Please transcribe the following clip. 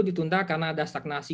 ditunda karena ada stagnasi